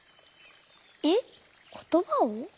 えっことばを？